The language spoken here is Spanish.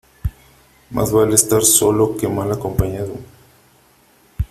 Más vale estar solo que mal acompañado.